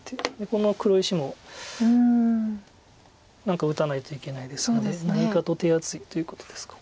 この黒石も何か打たないといけないですので何かと手厚いということですか。